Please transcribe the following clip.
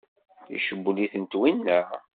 Icewwel-itent winna?